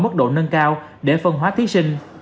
mức độ nâng cao để phân hóa thí sinh